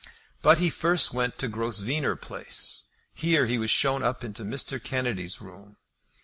But he first went to Grosvenor Place. Here he was shown up into Mr. Kennedy's room.